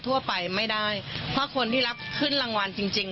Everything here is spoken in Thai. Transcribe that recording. ทั่วไปไม่ได้เพราะคนที่รับขึ้นรางวัลจริงจริง